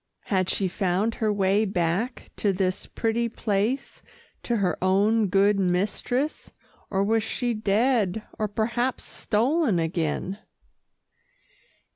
Had she found her way back to this pretty place to her own good mistress, or was she dead or perhaps stolen again?